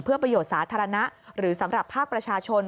เพื่อประโยชน์สาธารณะหรือสำหรับภาคประชาชน